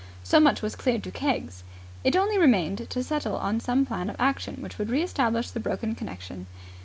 So much was clear to Keggs. It only remained to settle on some plan of action which would re establish the broken connection.